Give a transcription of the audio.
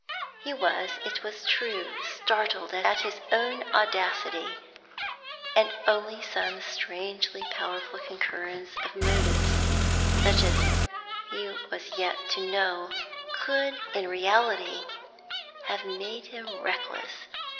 He was, it is true, startled at his own audacity, and only some strangely powerful concurrence of motives such as he was yet to know could in reality have made him reckless.